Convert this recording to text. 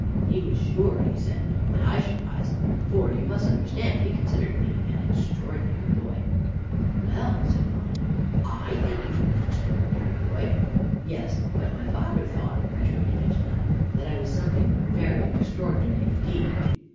He was sure, he said, that I should rise, for, you must understand, he considered me an extraordinary boy." "Well," said Phonny, "I think you were an extraordinary boy." "Yes, but my father thought," rejoined Beechnut, "that I was something very extraordinary indeed.